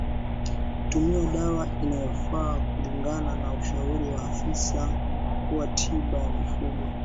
Tumia dawa inayofaa kulingana na ushauri wa afisa wa tiba ya mifugo